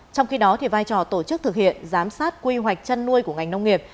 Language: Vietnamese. trong khi đó vai trò tổ chức thực hiện giám sát quy hoạch chăn nuôi của ngành nông nghiệp